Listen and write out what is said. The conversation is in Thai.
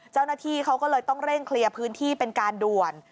เจ้าหน้าที่เขาก็เลยต้องเร่งเคลียร์พื้นที่เป็นการด่วน